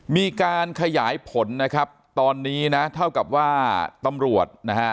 มีการขยายผลนะครับตอนนี้นะเท่ากับว่าตำรวจนะฮะ